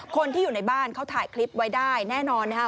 คนที่อยู่ในบ้านเขาถ่ายคลิปไว้ได้แน่นอนนะคะ